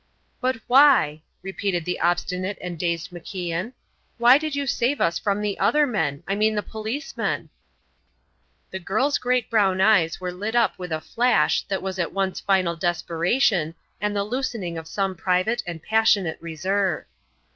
"But why?" repeated the obstinate and dazed MacIan, "why did you save us from the other men? I mean the policemen?" The girl's great brown eyes were lit up with a flash that was at once final desperation and the loosening of some private and passionate reserve.